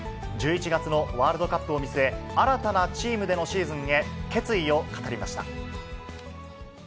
１１月のワールドカップを見据え、新たなチームでのシーズンへ、決意を語りました。